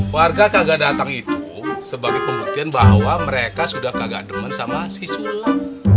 warga kagak datang itu sebagai pembuktian bahwa mereka sudah kagak demen sama si sulam